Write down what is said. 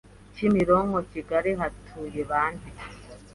Kimironko Kigali hatuye bande